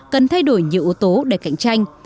cần thay đổi nhiều ưu tố để cạnh tranh